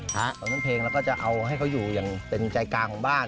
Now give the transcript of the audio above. เป็นเพลงแล้วก็จะเอาให้เขาอยู่อย่างเป็นใจกลางของบ้าน